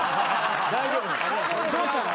・どうしたの？